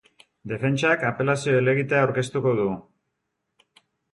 Defentsak apelazio helegitea aurkeztuko du.